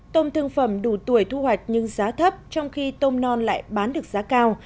tôm thương phẩm đủ tuổi thu hoạch nhưng giá thấp trong khi tôm non lại bán được giá cao